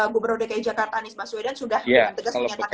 gubernur dki jakarta anies maswedan sudah dengan tegas menyatakan bahwa